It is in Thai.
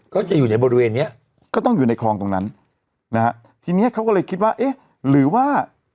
เขาก็เลยคิดว่าเอ๊ะหรือว่า